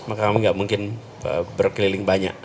maka kami nggak mungkin berkeliling banyak